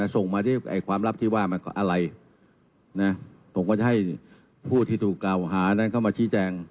ส่งมาที่ความลับที่ว่ามันก็อะไรนะผมก็จะให้ผู้ที่ถูกกล่าวหานั้นเข้ามาชี้แจง